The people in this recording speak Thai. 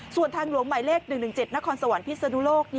สวนทางหลวงหมายเลขหนึ่งนักขอร์สสะวัญพิสธิ์ภัณฑ์อูโลก